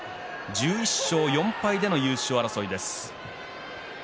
１１勝４敗での優勝争いです。